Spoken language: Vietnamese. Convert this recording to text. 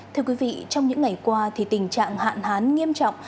thưa quý vị trong những ngày qua thì tình trạng hạn hán nghiêm trọng